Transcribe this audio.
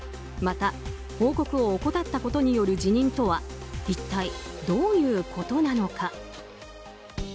また報告を怠ったことによる辞任とは一体どういうことなのか。